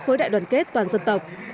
khối đại đoàn kết toàn dân tộc